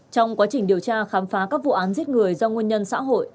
trong quá trình điều tra khám phá các vụ án giết người do nguyên nhân xã hội